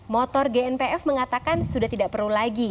motor gnpf mengatakan sudah tidak perlu lagi